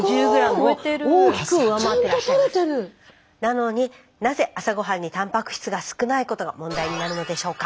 なのになぜ朝ごはんにたんぱく質が少ないことが問題になるのでしょうか。